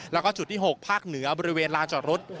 แล้วก็จุดที่๖ภาคเหนือบริเวณลานจอดรถ